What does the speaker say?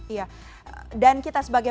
iya dan kita sebagai